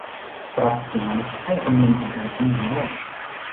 ปรับสี ให้คำนึงถึงการใช้งานด้วย